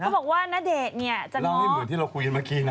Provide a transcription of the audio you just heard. เขาบอกว่านาเดะเนี่ยจะง้อเล่าให้เหมือนที่เราคุยเมื่อกี้น่ะ